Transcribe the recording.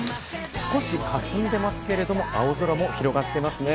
少し霞んでいますけれども、青空も広がっていますね。